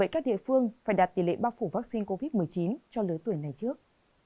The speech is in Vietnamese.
các địa phương phải đạt tỷ lệ bao phủ vaccine covid một mươi chín cho lứa tuổi này trước